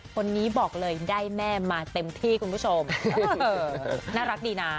คนนี้บอกเลยได้แม่มาเต็มที่คุณผู้ชมน่ารักดีนะ